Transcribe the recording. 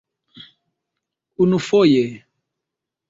unufoje